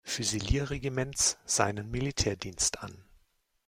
Füsilier-Regiments seinen Militärdienst an.